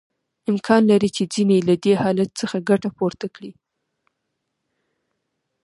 امکان لري چې ځینې یې له دې حالت څخه ګټه پورته کړي